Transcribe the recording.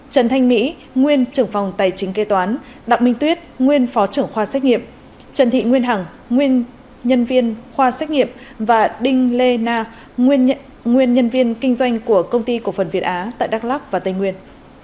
trần thanh mỹ nguyên trưởng phòng tài chính kê toán đặng minh tuyết nguyên phó trưởng khoa xét nghiệm trần thị nguyên hằng nguyên nhân viên khoa xét nghiệm và đinh lê na nguyên nhân viên kinh doanh của công ty cổ phần việt á tại đắk lắc và tây nguyên